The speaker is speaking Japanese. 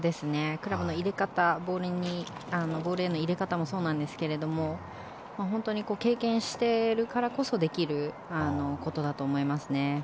クラブの入れ方ボールへの入れ方もそうなんですが本当に経験しているからこそできることだと思いますね。